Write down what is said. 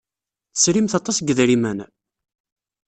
Tesrimt aṭas n yidrimen?